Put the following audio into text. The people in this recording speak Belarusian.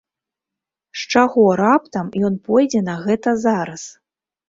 З чаго раптам ён пойдзе на гэта зараз?